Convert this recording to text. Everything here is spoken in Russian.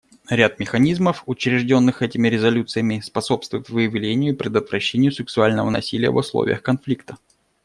Ряд механизмов, учрежденных этими резолюциями, способствует выявлению и предотвращению сексуального насилия в условиях конфликта.